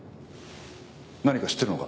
何か知ってるのか？